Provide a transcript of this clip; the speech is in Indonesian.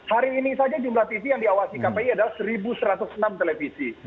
hari ini saja jumlah tv yang diawasi kpi adalah satu satu ratus enam televisi